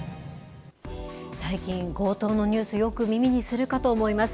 最近、強盗のニュース、よく耳にするかと思います。